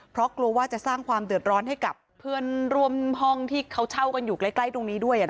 เพราะกลัวว่าจะสร้างความเดือดร้อนให้กับเพื่อนร่วมห้องที่เขาเช่ากันอยู่ใกล้ตรงนี้ด้วย